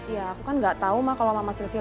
ya aku kan gak tau mah kalo mama sylvia